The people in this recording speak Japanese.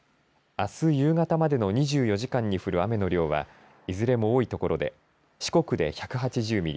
あす夕方までの２４時間に降る雨の量はいずれも多い所で四国で１８０ミリ